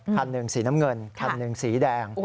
คันหนึ่งสีน้ำเงินคันหนึ่งสีแดง